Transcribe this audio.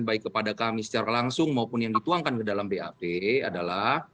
baik kepada kami secara langsung maupun yang dituangkan ke dalam bap adalah